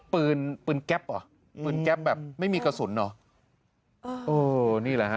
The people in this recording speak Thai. ปืนปืนแก๊ปเหรอปืนแก๊ปแบบไม่มีกระสุนเหรอเออนี่แหละฮะ